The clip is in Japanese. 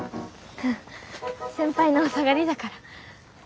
先輩のお下がりだから。